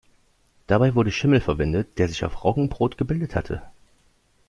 Dabei wurde Schimmel verwendet, der sich auf Roggenbrot gebildet hatte.